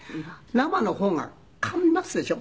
生の方がかみますでしょ？